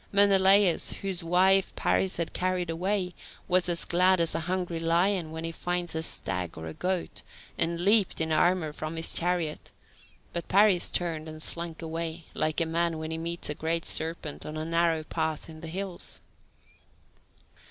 Menelaus, whose wife Paris had carried away, was as glad as a hungry lion when he finds a stag or a goat, and leaped in armour from his chariot, but Paris turned and slunk away, like a man when he meets a great serpent on a narrow path in the hills.